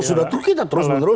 oh sudah itu kita terus menerus